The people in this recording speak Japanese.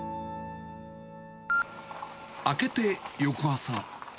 明けて翌朝。